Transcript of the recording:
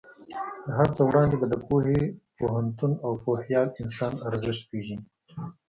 تر هر څه وړاندې به د پوهې، پوهنتون او پوهیال انسان ارزښت پېژنې.